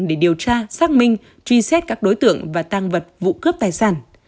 để điều tra xác minh truy xét các đối tượng và tăng vật vụ cướp tài sản